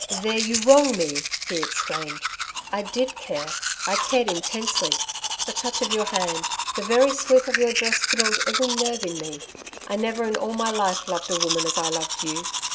'There you wrong me,' he exclaimed. 'I did care I cared intensely. The touch of your hand the very sweep of your dress thrilled every nerve in me. I never in all my life loved a woman as I loved you.